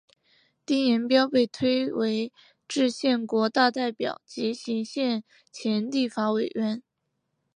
丁廷标被推为制宪国大代表及行宪前立法委员。